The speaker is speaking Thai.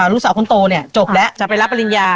ลูกสาวคนโตเนี่ยจบแล้วจะไปรับปริญญา